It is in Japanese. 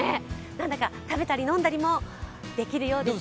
何だか食べたり飲んだりもできるようですよ。